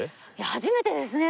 初めてですね